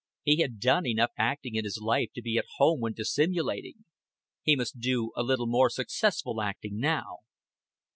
He had done enough acting in his life to be at home when dissimulating. He must do a little more successful acting now.